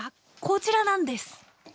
こちらなんです。